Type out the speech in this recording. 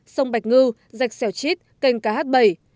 sông bạch ngư dạch sẻo chít kênh cá hát bảy